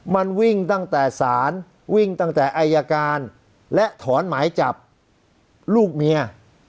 มันวิ่งตั้งแต่ศาลวิ่งตั้งแต่อายการและถอนหมายจับลูกเมีย